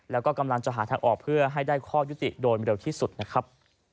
แล้วก็กำลังจะหาทางออกเพื่อให้ได้ข้อยุติโดยเร็วที่สุดนะครับ